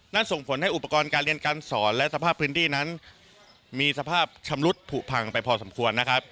ส่งผลให้อุปกรณ์การเรียนการสอนและสภาพพื้นที่นั้นมีสภาพชำรุดผูพังไปพอสมควรนะครับ